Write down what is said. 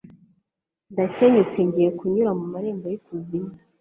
ndakenyutse ngiye kunyura mu marembo y'ikuzimu